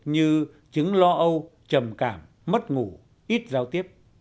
như chứng lo âu trầm cảm mất ngủ ít giao tiếp